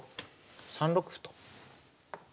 ３六歩と。